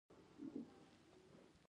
د پکتیکا په ګیان کې د کرومایټ نښې شته.